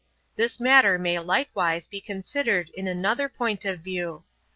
This matter may likewise be considered in another point of view.